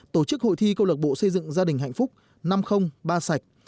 tổ chức hội thi câu lực bộ xây dựng gia đình hạnh phúc năm trăm linh ba sạch